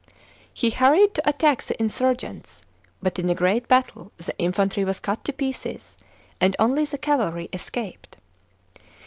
He hurried to attack the insurgents, but in a great battle the infantry was cut to pieces, and only the cavalry escaped.